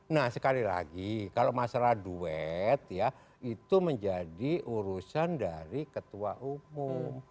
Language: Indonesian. nah sekali lagi kalau masalah duet ya itu menjadi urusan dari ketua umum